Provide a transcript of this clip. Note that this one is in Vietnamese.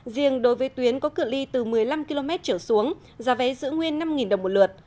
riêng đối với tuyến có cựa ly từ một mươi năm km trở xuống giá vé giữ nguyên năm đồng một lượt